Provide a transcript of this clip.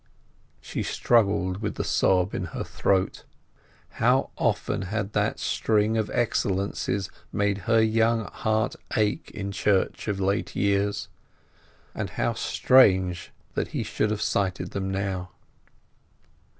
She struggled with the sob in her throat. How often had that string of excellences made her young heart ache in church of late years, and how strange that he should have cited them now.